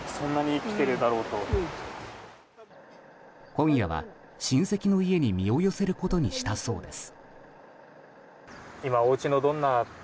今夜は親戚の家に身を寄せることにしたそうです。